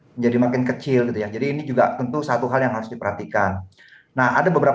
menjadi makin kecil gitu ya jadi ini juga tentu satu hal yang harus diperhatikan nah ada beberapa